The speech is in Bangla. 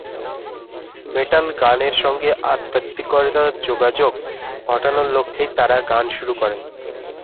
মেটাল গানের সঙ্গে আধ্যাত্মিকতার যোগাযোগ ঘটানোর লক্ষ্যেই তাঁরা গান শুরু করেন।